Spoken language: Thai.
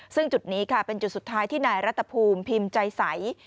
ซึ่งจุดนี้ค่ะเป็นจุดสุดท้ายที่นายรัฐภูมิพิมพ์ใจใส